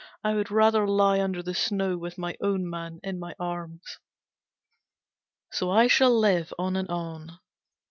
I would rather lie under the snow with my own man in my arms! So I shall live on and on.